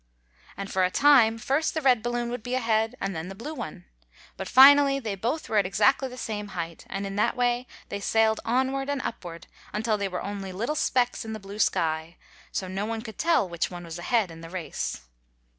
And, for a time first the red balloon would be ahead, and then the blue one. But finally they both were at exactly the same height, and in that way they sailed onward and upward until they were only little specks in the blue sky, so no one could tell which one was ahead in the race.